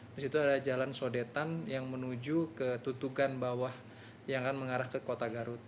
di situ ada jalan sodetan yang menuju ke tutukan bawah yang akan mengarah ke kota garut